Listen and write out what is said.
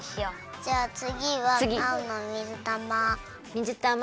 じゃあつぎはあおのみずたま。